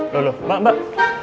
lho loh mbak mbak